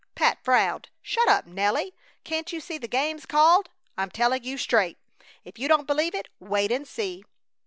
Pat frowned. "Shut up, Nelly. Can't you see the game's called? I'm telling you straight. If you don't believe it wait and see."